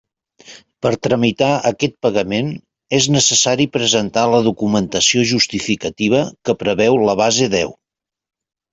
Per tramitar aquest pagament, és necessari presentar la documentació justificativa que preveu la base deu.